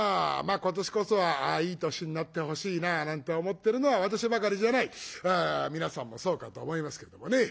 今年こそはいい年になってほしいななんて思っているのは私ばかりじゃない皆さんもそうかと思いますけどもね。